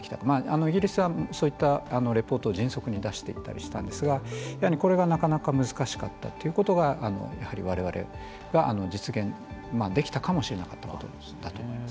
イギリスはそういったレポートを迅速に出していったりしたんですがこれがなかなか難しかったというのがやはりわれわれが実現できたかもしれなかったことです。